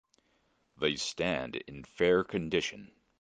They stand in fair condition.